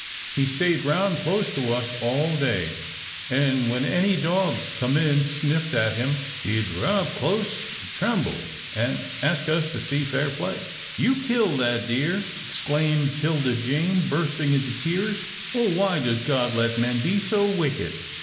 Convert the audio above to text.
He stayed round close to us all day, an' when any dog come an' sniffed at him, he'd run up close an' tremble, an' ask us to see fair play." "You killed that deer," exclaimed 'Tilda Jane, bursting into tears. "Oh! why does God let men be so wicked?"